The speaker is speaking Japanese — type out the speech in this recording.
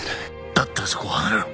だったらそこを離れろ！